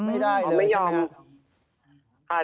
ไม่ได้เลยใช่ไหม